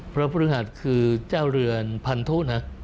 พระพฤหัสคือเจ้าเรือนพันธุนะ